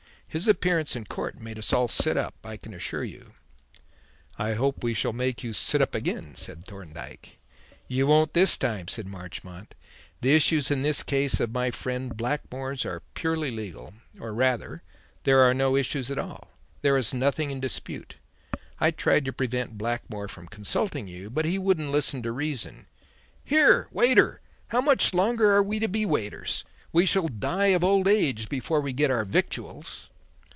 His appearance in court made us all sit up, I can assure you." "I hope we shall make you sit up again," said Thorndyke. "You won't this time," said Marchmont. "The issues in this case of my friend Blackmore's are purely legal; or rather, there are no issues at all. There is nothing in dispute. I tried to prevent Blackmore from consulting you, but he wouldn't listen to reason. Here! Waiter! How much longer are we to be waiters? We shall die of old age before we get our victuals!"